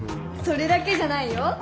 それだけじゃないよ。